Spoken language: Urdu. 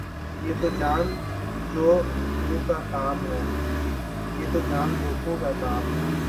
یہ تو جان جو کھوں کا کام ہے